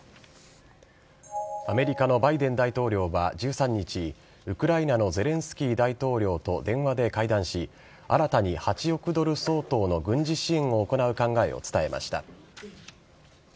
アメリカのバイデン大統領は１３日ウクライナのゼレンスキー大統領と電話で会談し新たに８億ドル相当の軍事支援を行う考えを伝えました。